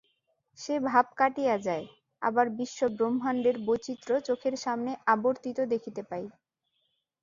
সে-ভাব কাটিয়া যায়, আবার বিশ্ব-ব্রহ্মাণ্ডের বৈচিত্র্য চোখের সামনে আবর্তিত দেখিতে পাই।